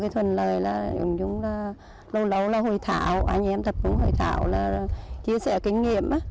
thì lâu lâu là hồi thảo anh em thật hồi thảo là chia sẻ kinh nghiệm